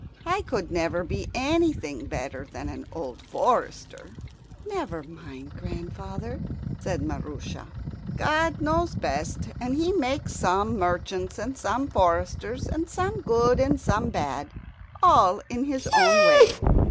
I could never be anything better than an old forester. "Never mind, grandfather," said Maroosia. God knows best, and He makes some merchants and some foresters, and some good and some bad, all in His own way.